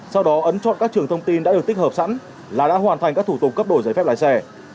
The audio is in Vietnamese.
sau đó ấn chọn các trường thông tin đã được tích hợp sẵn là đã hoàn thành các thủ tục cấp đổi giấy phép lái xe